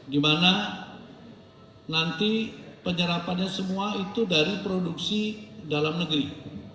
dimana nanti penyerapannya semua itu dari produksi dalam negeri